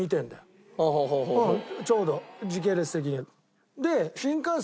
ちょうど時系列的に。